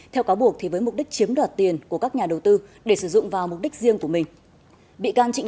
theo cáo buộc với mục đích chiếm đoạt tiền của các nhà đầu tư để sử dụng vào mục đích riêng của mình